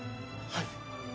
はい。